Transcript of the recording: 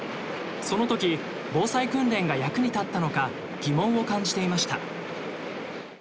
そのとき防災訓練が役に立ったのか疑問を感じていました。